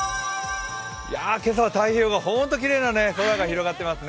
今朝は太平洋側、本当に綺麗な空が広がっていますね。